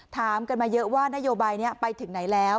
ถามกันมาเยอะว่านโยบายนี้ไปถึงไหนแล้ว